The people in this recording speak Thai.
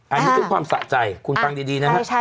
อันนี้คือความสะใจคุณฟังดีนะครับ